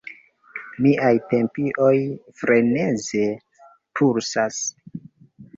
Miaj tempioj freneze pulsas.